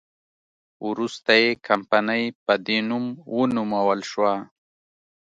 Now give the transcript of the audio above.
وروسته یې کمپنۍ په دې نوم ونومول شوه.